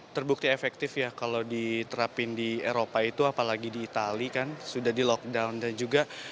terbukti efektif ya kalau diterapin di eropa itu apalagi di itali kan sudah di lockdown dan juga